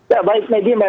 ya baik megi